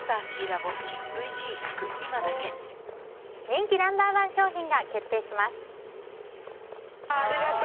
人気ナンバー１商品が決定します。